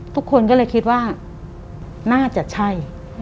ทุกคนก็เลยคิดว่าน่าจะใช่